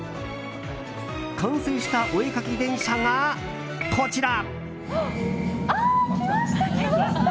完成したお絵かき電車が、こちら。